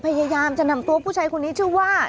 พยายามจะนำตัวผู้ชายคนนี้ชื่อว่า